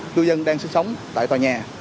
cư dân đang sống tại tòa nhà